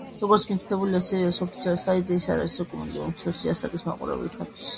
როგორც მითითებულია სერიალის ოფიციალურ საიტზე, ის არ არის რეკომენდებული უმცროსი ასაკის მაყურებლისათვის.